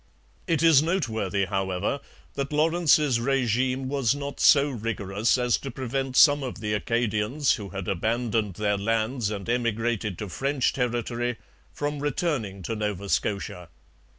It is noteworthy, however, that Lawrence's regime was not so rigorous as to prevent some of the Acadians who had abandoned their lands and emigrated to French territory from returning to Nova Scotia.